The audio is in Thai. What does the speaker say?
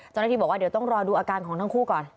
เจ้าหน้าที่บอกว่าเดี๋ยวต้องรอดูอาการของทั้งคู่ก่อน